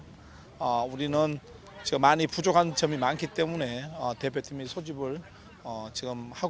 tapi karena kita sangat kurang tim presija mengambil teman teman